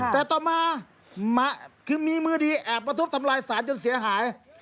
แต่ต่อมาคือมีมือดีแอบมาทุบทำลายสารจนเสียหาย